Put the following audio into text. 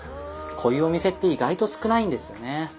こういうお店って意外と少ないんですよね。